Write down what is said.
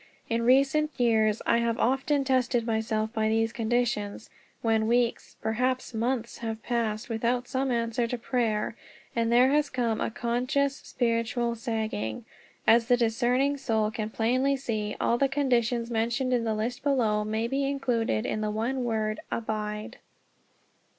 In recent years I have often tested myself by these conditions, when weeks, and perhaps months, have passed without some answer to prayer, and there has come a conscious spiritual sagging. As the discerning soul can plainly see, all the conditions mentioned in the list below may be included in the one word "Abide."